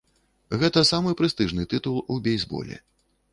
Гэта самы прэстыжны тытул у бейсболе.